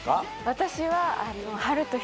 私は。